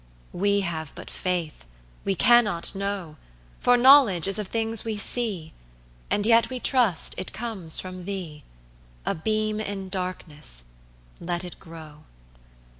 We have but faith: we cannot know; For knowledge is of things we see; And yet we trust it comes from thee, A beam in darkness: let it grow.